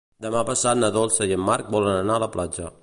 Demà passat na Dolça i en Marc volen anar a la platja.